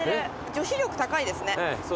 女子力高いですね。